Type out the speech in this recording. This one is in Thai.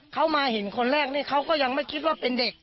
เขามาเห็นคนแรกนี่เขาก็ยังไม่คิดว่าเป็นเด็ก